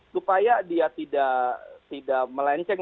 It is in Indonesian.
supaya dia tidak melenceng